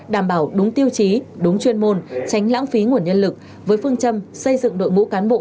đảm bảo đúng tiêu chí đúng chuyên môn tránh lãng phí nguồn nhân lực với phương châm xây dựng đội ngũ cán bộ